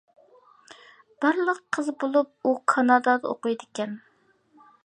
بىرلا قىزى بولۇپ، ئۇ كانادادا ئوقۇيدىكەن.